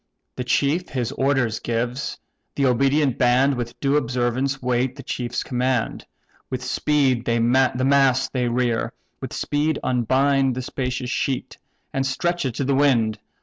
The chief his orders gives; the obedient band With due observance wait the chief's command; With speed the mast they rear, with speed unbind The spacious sheet, and stretch it to the wind.